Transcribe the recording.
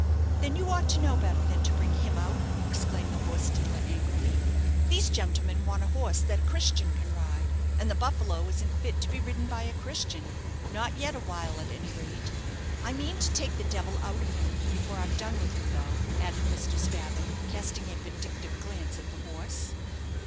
"Then you ought to know better than to bring him out," exclaimed the horse dealer, angrily. "These gentlemen want a horse that a Christian can ride, and the 'Buffalo' isn't fit to be ridden by a Christian; not yet awhile at any rate. I mean to take the devil out of him before I've done with him, though," added Mr. Spavin, casting a vindictive glance at the horse.